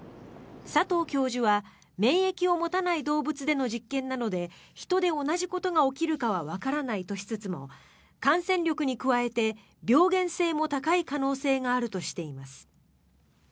佐藤教授は免疫を持たない動物での実験なので人で同じことが起きるかはわからないとしつつも感染力に加えて病原性も高い可能性があるとしています。